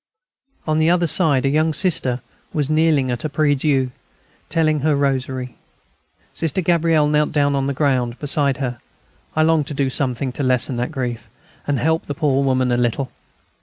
On the other side a young Sister was kneeling at a prie Dieu, telling her rosary. Sister Gabrielle knelt down on the ground beside her. I longed to do something to lessen that grief, and help the poor woman a little.